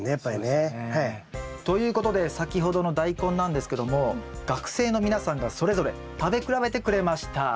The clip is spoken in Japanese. そうですね。ということで先ほどのダイコンなんですけども学生の皆さんがそれぞれ食べ比べてくれました。